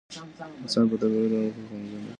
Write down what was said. انسان په طبعي ډول خوځنده دی.